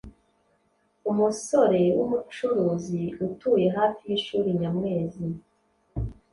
Umusore w’umucuruzi utuye hafi y’ishuri Nyamwezi